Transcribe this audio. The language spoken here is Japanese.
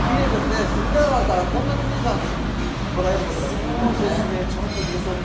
隅田川からこんなに富士山を捉えることができるんですね。